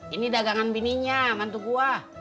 ini dagangan bininya mantu gue